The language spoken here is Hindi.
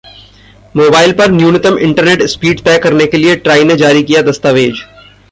मोबाइल पर न्यूनतम इंटरनेट स्पीड तय करने के लिये ट्राई ने जारी किया दस्तावेज